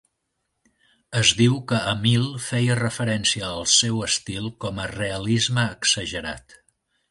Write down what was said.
Es diu que Emil feia referència al seu estil com a "realisme exagerat".